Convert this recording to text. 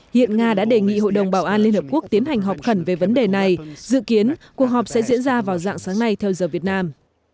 hiện nga đã đề nghị hội đồng bảo an liên hợp quốc tiến hành họp khẩn về vấn đề này dự kiến cuộc họp sẽ diễn ra vào dạng sáng nay theo giờ việt nam